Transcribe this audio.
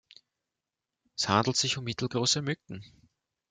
Es handelt sich um mittelgroße Mücken.